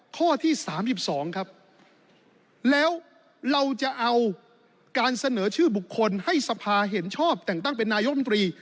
ข้อที่๓๒ครับแล้วเราจะเอาการเสนอชื่อบุคคลให้สภาเห็นชอบแต่งตั้งเป็นนายกรรมตรี